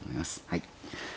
はい。